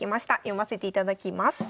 読ませていただきます。